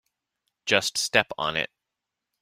Just step on it.